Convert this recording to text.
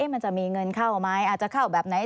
มันจะมีเงินเข้าไหมอาจจะเข้าแบบไหน